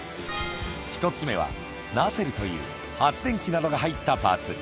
１つ目はナセルという発電機などが入ったパーツ。